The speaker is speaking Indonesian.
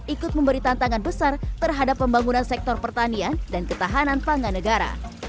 ikut memberi tantangan besar terhadap pembangunan sektor pertanian dan ketahanan pangan negara